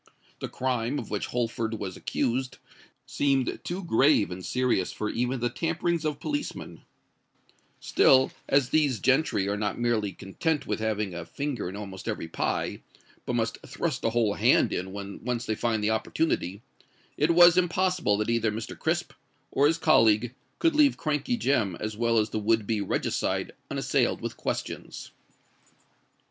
The crime of which Holford was accused seemed too grave and serious for even the tamperings of policemen: still as these gentry are not merely content with having a finger in almost every pie, but must thrust a whole hand in when once they find the opportunity, it was impossible that either Mr. Crisp or his colleague could leave Crankey Jem as well as the would be regicide unassailed with questions.